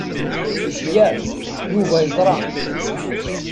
Yak, Yuba yeẓṛa.